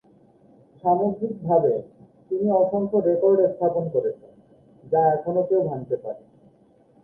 সামগ্রিকভাবে, তিনি অসংখ্য রেকর্ড স্থাপন করেছেন, যা এখনো কেউ ভাঙতে পারেনি।